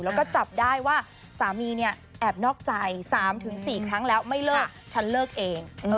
แล้วก็จับได้ว่าสามีเนี่ยแอบนอกใจ๓๔ครั้งแล้วไม่เลิกฉันเลิกเอง